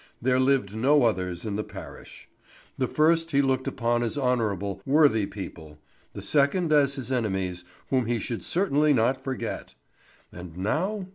There lived no others in the parish. The first he looked upon as honourable, worthy people, the second as his enemies whom he should certainly not forget. And now?